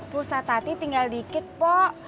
pusat tati tinggal dikit pok